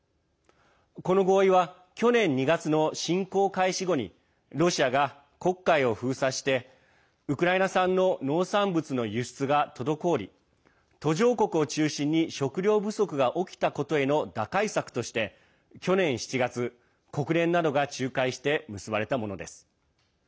この合意は去年２月の侵攻開始後にロシアが黒海を封鎖してウクライナ産の農産物の輸出が滞り途上国を中心に、食料不足が起きたことへの打開策として去年７月、国連などが仲介して結ばれたものです。